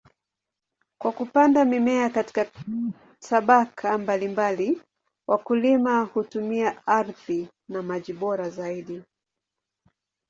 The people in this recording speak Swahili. Kwa kupanda mimea katika tabaka mbalimbali, wakulima hutumia ardhi na maji bora zaidi.